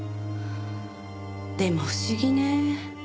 でも不思議ね。